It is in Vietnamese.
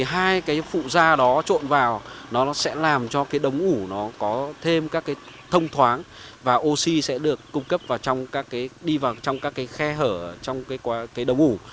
hai phụ da trộn vào sẽ làm cho đống ủ có thêm các thông thoáng và oxy sẽ được cung cấp vào trong các khe hở trong đống ủ